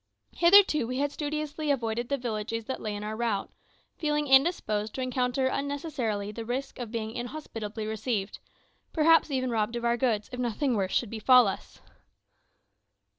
Hitherto we had studiously avoided the villages that lay in our route, feeling indisposed to encounter unnecessarily the risk of being inhospitably received perhaps even robbed of our goods, if nothing worse should befall us.